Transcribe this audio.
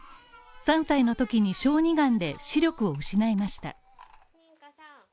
３歳の時に小児がんで視力を失いました。